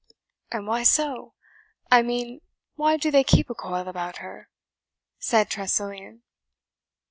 "And why so? I mean, why do they keep a coil about her?" said Tressilian.